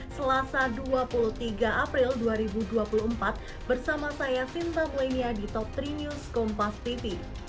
selasa dua puluh tiga april dua ribu dua puluh empat bersama saya sinta clenia di top tiga news kompas tv